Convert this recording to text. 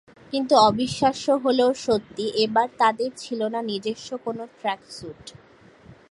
কিন্তু অবিশ্বাস্য হলেও সত্যি, এবার তাঁদের ছিল না নিজস্ব কোনো ট্র্যাকসুট।